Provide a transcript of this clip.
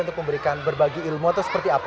untuk memberikan berbagi ilmu atau seperti apa